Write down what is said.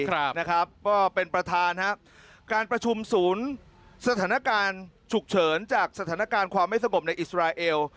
ก็เป็นประธานการประชุมศูนย์สถานการณ์ฉุกเฉินจากสถานการณ์ความไม่สมบบในอิสราเอล